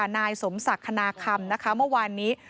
นายสมศักรณาคำเมื่อวานนี้